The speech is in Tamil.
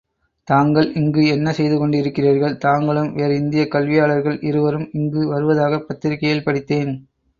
தாங்கள் இங்கு என்ன செய்து கொண்டிருக்கிறீர்கள்? தாங்களும் வேறு இந்தியக் கல்வியாளர்கள் இருவரும் இங்கு வருவதாகப் பத்திரிகையில் படித்தேன்.